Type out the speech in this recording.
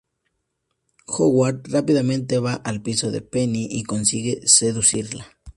Howard rápidamente va al piso de Penny y consigue seducirla.